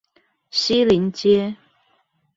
西陵街